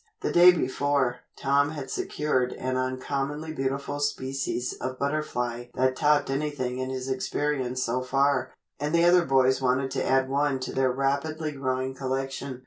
The day before, Tom had secured an uncommonly beautiful species of butterfly that topped anything in his experience so far, and the other boys wanted to add one to their rapidly growing collection.